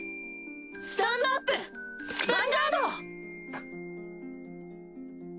スタンドアップヴァンガード！